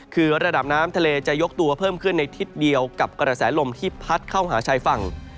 คือระดับน้ำทะเลจะยกตัวเพิ่มขึ้นในทิศเดียวกับกระแสลมที่พัดเข้าหาชายฝั่ง